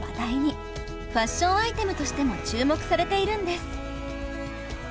ファッションアイテムとしても注目されているんです。